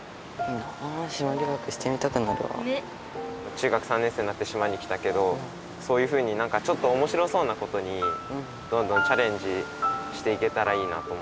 中学３年生になって島に来たけどそういうふうになんかちょっとおもしろそうなことにどんどんチャレンジしていけたらいいなと思って。